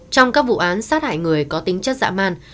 trong các vụ án sát hại người có tính chất dã man